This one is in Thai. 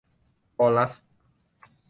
วอลลัส